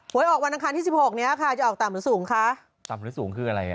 ออกวันอังคารที่สิบหกเนี้ยค่ะจะออกต่ำหรือสูงคะต่ำหรือสูงคืออะไรอ่ะ